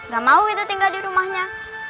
gak mau itu tinggal di rumahnya